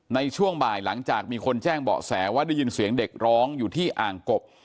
ในช่วงบ่ายหลังจากมีคนแจ้งเบาะแสว่าได้ยินเสียงเด็กร้องอยู่ที่อ่างกบ